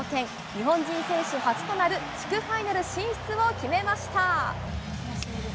日本人選手初となる地区ファイナル進出を決めました。